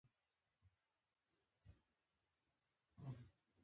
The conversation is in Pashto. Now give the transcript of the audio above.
پسه ښایسته څېره لري.